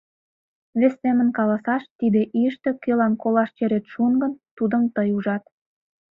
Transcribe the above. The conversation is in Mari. Вес семын каласаш, тиде ийыште кӧлан колаш черет шуын гын, тудым тый ужат.